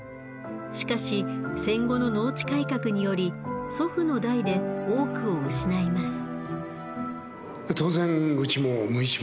しかし戦後の農地改革により祖父の代で多くを失います。